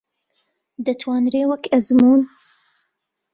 دەتوانرێ وەک ئەزموون